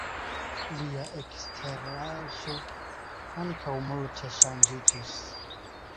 Lia eksteraĵo ankaŭ multe ŝanĝiĝis.